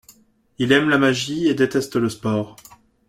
Il aime la magie et déteste le sport.